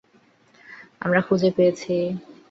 আমরা খুঁজে পেয়েছি।